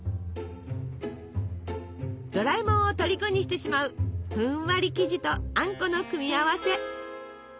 ドラえもんをとりこにしてしまうふんわり生地とあんこの組み合わせ。